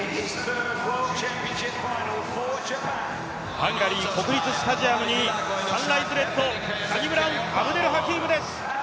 ハンガリー国立スタジアムにサンライズレッド、サニブラウン・アブデル・ハキームです。